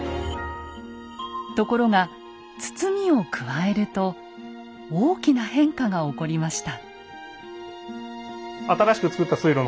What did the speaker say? ところが堤を加えると大きな変化が起こりました。